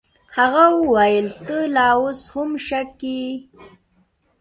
هغه وويل ته لا اوس هم شک کيې.